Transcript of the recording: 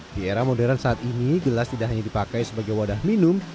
di era modern saat ini gelas tidak hanya dipakai sebagai wadah minum